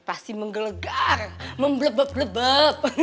pasti menggelegar membelebab belebab